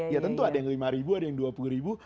ya tentu ada yang lima ribu ada yang dua puluh ribu